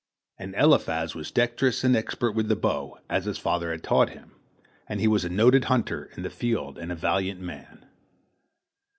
And Eliphaz was dexterous and expert with the bow, as his father had taught him, and he was a noted hunter in the field and a valiant man.